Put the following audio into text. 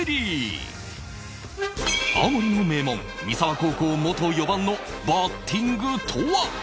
青森の名門三沢高校元４番のバッティングとは？